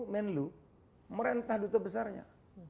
menlo merentah duta besarnya